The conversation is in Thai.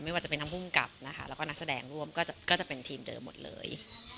ทีมงานทั้งผู้กับและนักแสดงร่วมก็จะเป็นทีมเดิมหมดเลย